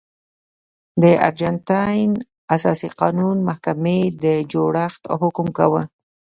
د ارجنټاین اساسي قانون محکمې د جوړښت حکم کاوه.